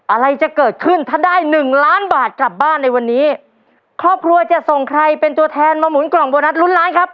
อะไรจะเกิดขึ้นถ้าได้หนึ่งล้านบาทกลับบ้านในวันนี้ครอบครัวจะส่งใครเป็นตัวแทนมาหมุนกล่องโบนัสลุ้นล้านครับ